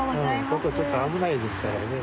ここちょっとあぶないですからね。